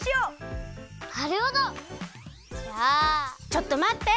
ちょっとまって！